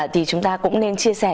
thì chúng ta cũng nên chia sẻ